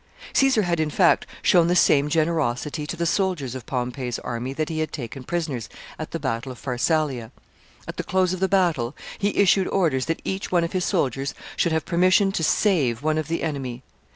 Caesar had, in fact, shown the same generosity to the soldiers of Pompey's army that he had taken prisoners at the battle of Pharsalia. At the close of the battle, he issued orders that each one of his soldiers should have permission to save one of the enemy.